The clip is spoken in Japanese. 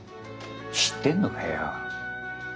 知ってんのかよ。